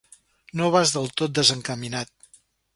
No vas del tot desencaminat.